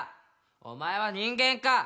お前は人間か！